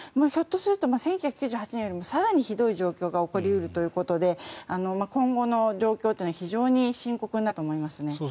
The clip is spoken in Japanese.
ひょっとすると１９９８年より更にひどい状況が起こり得るということで今後の状況というのは非常に深刻になると思いますね。